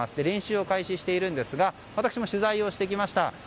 練習を開始しているんですが私も取材してきました。